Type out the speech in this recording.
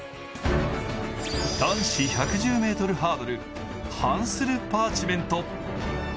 男子１１０ｍハードル、ハンスル・パーチメント。